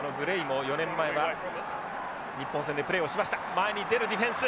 前に出るディフェンス。